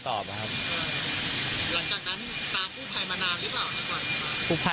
ตามรูดไพลมานานรึเปล่า